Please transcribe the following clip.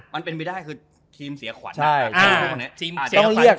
มันเป็นไปได้คือทีมเสียขวัญ